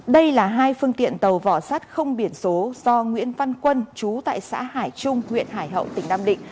đây là hai phương tiện tàu vỏ sát không biển số do nguyễn văn quân chú tại xã hải trung huyện hải hậu tỉnh nam định